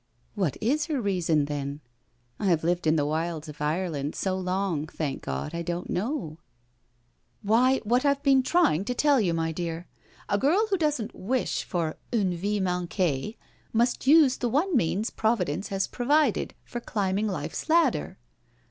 " What is her reason, then? I have lived in the wilds of Ireland so long, thank God, I don't know." *' Why, what I've been trying to tell you, my dear. A girl who doesn't wish for ane vie manquie must use the one means Providence has provided for climb ing life's ladder.